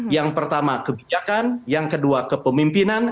yang pertama kebijakan yang kedua kepemimpinan